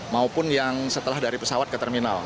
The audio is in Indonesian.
maupun yang setelah dari pesawat ke terminal